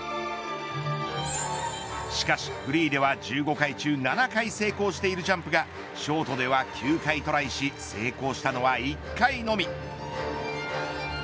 しかしフリーでは、１５回中７回成功しているジャンプがショートでは９回トライし成功したのは１回のみ。